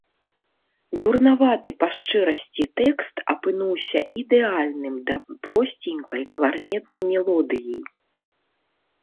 Дурнаваты, па шчырасці, тэкст апынуўся ідэальным да просценькай кларнетнай мелодыі.